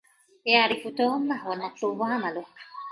يعرف توم ما هو المطلوب عمله.